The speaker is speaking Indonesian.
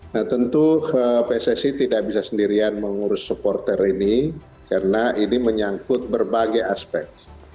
nah tentu pssi tidak bisa sendirian mengurus supporter ini karena ini menyangkut berbagai aspek